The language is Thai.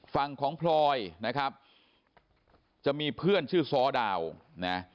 ฝั่งของพลอยนะครับจะมีเพื่อนชื่อซ้อดาวนะ